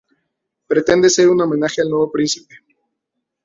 Pretende ser un homenaje al nuevo príncipe.